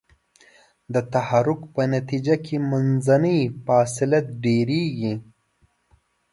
د تحرک په نتیجه کې منځنۍ فاصله ډیریږي.